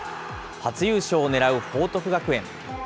初優勝をねらう報徳学園。